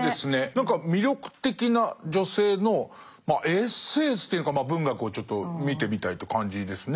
何か魅力的な女性のエッセンスというのかまあ文学をちょっと見てみたいって感じですね。